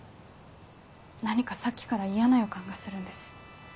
何かさっきから嫌な予感がするんです。